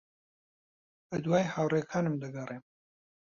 بەدوای ھاوڕێکانم دەگەڕێم.